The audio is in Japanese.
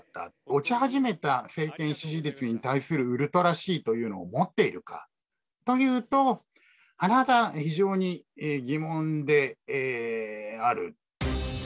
落ち始めた政権支持率に対するウルトラＣというのを持っているかというと、甚だ非常に疑問である。